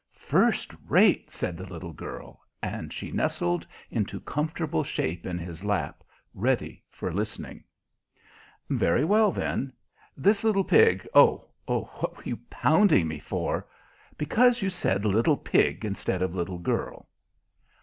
"First rate!" said the little girl; and she nestled into comfortable shape in his lap, ready for listening. "Very well, then, this little pig Oh, what are you pounding me for?" "Because you said little pig instead of little girl."